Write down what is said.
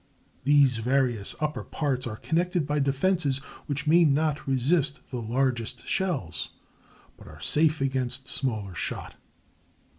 These various upper parts are connected by defenses which may not resist the largest shells, but are safe against smaller shot.